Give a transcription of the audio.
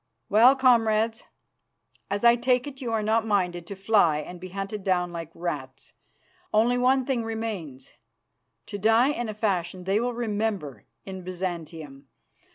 Well, comrades, as I take it you are not minded to fly and be hunted down like rats, only one thing remains to die in a fashion they will remember in Byzantium.